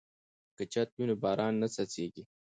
که چت وي نو باران نه څڅیږي.